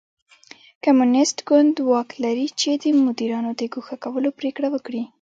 کمونېست ګوند واک لري چې د مدیرانو د ګوښه کولو پرېکړه وکړي.